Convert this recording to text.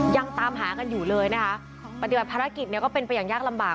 ยังตามหากันอยู่เลยนะคะปฏิบัติภารกิจเนี่ยก็เป็นไปอย่างยากลำบาก